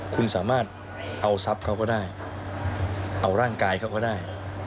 คุณสามารถเอาทรัพย์เขาก็ได้เอาร่างกายเขาก็ได้